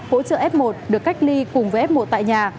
hỗ trợ f một được cách ly cùng với f một tại nhà